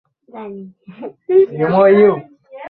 চীন বিশ্বের সর্বাধিক চুন উৎপাদনকারী দেশ।